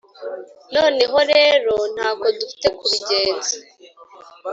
Noneho rero nta ko dufite kubigenza.